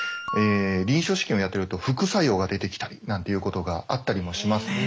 臨床試験をやってると副作用が出てきたりなんていうことがあったりもしますので。